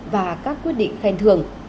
và các quyết định khen thường